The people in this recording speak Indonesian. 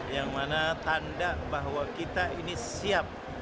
yang mana tanda bahwa kita ini siap